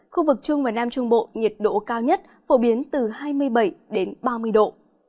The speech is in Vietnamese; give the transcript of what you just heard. khu vực trung và nam trung bộ nhiệt độ cao nhất phổ biến từ hai mươi bảy đến ba mươi độ